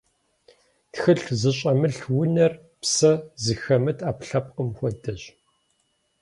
Тхылъ зыщӏэмылъ унэр псэ зыхэмыт ӏэпкълъэпкъым хуэдэщ.